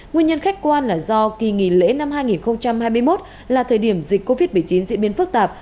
nguyên nhân khách quan là do kỳ nghỉ lễ năm hai nghìn hai mươi một là thời điểm dịch covid một mươi chín diễn biến phức tạp